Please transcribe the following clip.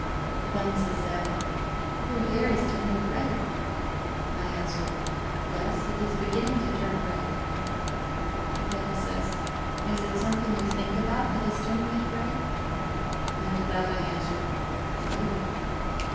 Then says Eva: 'Your hair is turning grey.' I answer: 'Yes, it is beginning to turn grey.' But Eva says: 'Is it something you think about, that is turning it grey?' And to that I answer: 'Maybe.'